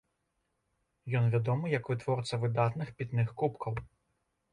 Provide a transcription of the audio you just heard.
Ён вядомы як вытворца выдатных пітных кубкаў.